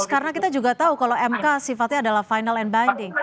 karena kita juga tahu kalau mk sifatnya adalah final and binding